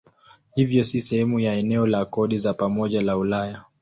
Hivyo si sehemu ya eneo la kodi za pamoja la Ulaya.